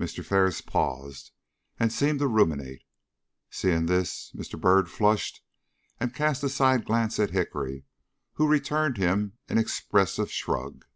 Mr. Ferris paused and seemed to ruminate. Seeing this, Mr. Byrd flushed and cast a side glance at Hickory, who returned him an expressive shrug.